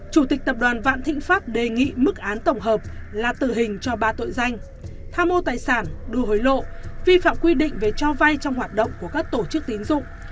chủ tịch tập đoàn vạn thịnh pháp đề nghị mức án tổng hợp là tử hình cho ba tội danh tham mô tài sản đưa hối lộ vi phạm quy định về cho vay trong hoạt động của các tổ chức tín dụng